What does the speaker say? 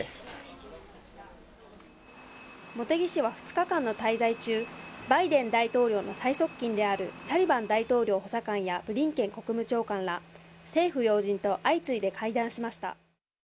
茂木氏は２日間の滞在中、バイデン大統領の最側近であるサリバン大統領補佐官やブリンケン国務長官ら、政府要人と相次いで会談しました。